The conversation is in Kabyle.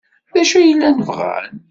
D acu ay llan bɣan?